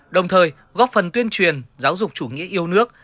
đồng thời góp phần tuyên truyền giáo dục chủ nghĩa yêu nước